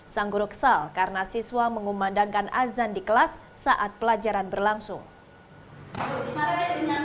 sang guru kesal karena siswa mengumandangkan azan di kelas saat pelajaran berlangsung